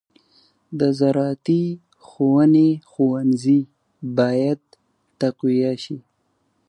د زراعتي ښوونې ښوونځي باید تقویه شي.